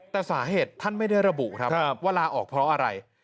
แต่สาเหตุท่านไม่ได้ระบุครับว่าลาออกเพราะอะไร